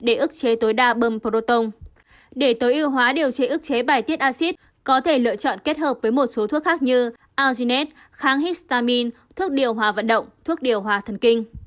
để ức chế tối đa bơm proton để tối ưu hóa điều chế ước chế bài tiết acid có thể lựa chọn kết hợp với một số thuốc khác như auzinet kháng histamin thuốc điều hòa vận động thuốc điều hòa thần kinh